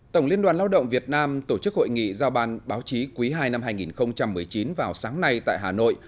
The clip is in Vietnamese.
tổng liên đoàn lao động việt nam tổ chức hội nghị giao ban báo chí quý ii năm hai nghìn một mươi chín vào sáng nay tại hà nội